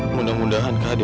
mas prabu sudah selesai